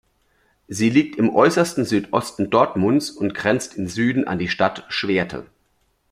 Sie liegt im äußersten Südosten Dortmunds und grenzt im Süden an die Stadt Schwerte.